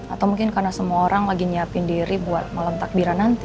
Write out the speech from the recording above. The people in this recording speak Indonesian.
atau mungkin karena semua orang lagi nyiapin diri buat malam takbiran nanti